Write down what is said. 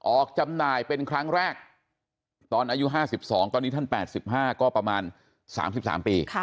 จำหน่ายเป็นครั้งแรกตอนอายุ๕๒ตอนนี้ท่าน๘๕ก็ประมาณ๓๓ปี